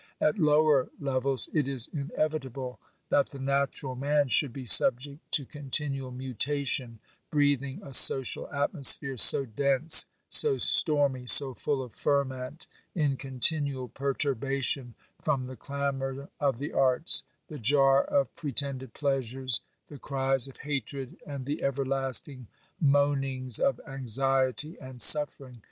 At lower levels it is inevitable that the natural man should be subject to continual mutation, breathing a social atmosphere so dense, so stormy, so full of ferment, in con tinual perturbation from the clamour of the arts, the jar OBERMANN 39 of pretended pleasures, the cries of hatred and the ever lasting meanings of anxiety and suffering.